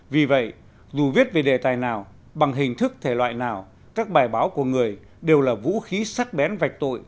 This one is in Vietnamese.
vì vậy dù viết về đề tài nào bằng hình thức thể loại nào các bài báo của người đều là vũ khí sắc bén vạch tội